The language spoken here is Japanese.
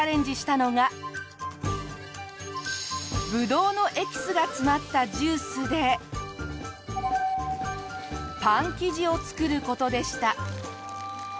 ぶどうのエキスが詰まったジュースでパン生地を作る事でした。